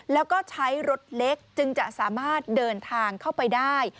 แล้วก็ใช้รถเล็กจึงจะสามารถเดินทางเข้าไปได้